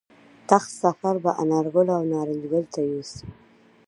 تخت سفر به انارګل او نارنج ګل ته یوسو !.